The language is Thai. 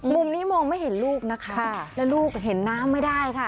มุมนี้มองไม่เห็นลูกนะคะแล้วลูกเห็นน้ำไม่ได้ค่ะ